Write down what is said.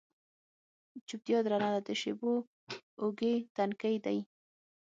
چوپتیا درنه ده د شېبو اوږې، تنکۍ دی